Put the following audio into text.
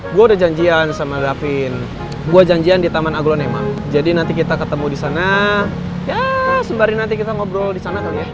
gue udah janjian sama davin gue janjian di taman aglo nema jadi nanti kita ketemu disana ya sembari nanti kita ngobrol disana kali ya